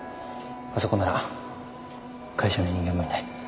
あそこなら会社の人間もいない。